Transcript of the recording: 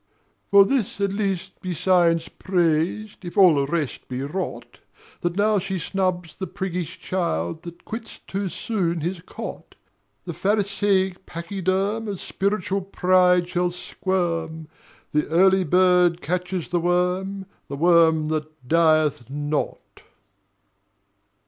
For this at least be Science praised If all the rest be rot, That now she snubs the priggish child That quits too soon his cot: The pharisaic pachyderm Of spiritual pride shall squirm: The Early Bird catches the worm, The Worm that dieth not.